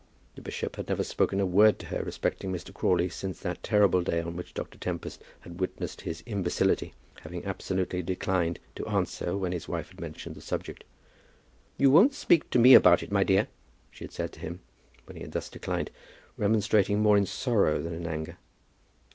The bishop had never spoken a word to her respecting Mr. Crawley since that terrible day on which Dr. Tempest had witnessed his imbecility, having absolutely declined to answer when his wife had mentioned the subject. "You won't speak to me about it, my dear?" she had said to him, when he had thus declined, remonstrating more in sorrow than in anger.